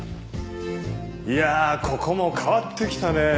いやここも変わってきたね。